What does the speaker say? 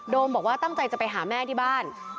บอกว่าตั้งใจจะไปหาแม่ที่บ้าน